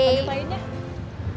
siapa itu lainnya